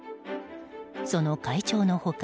その会長の他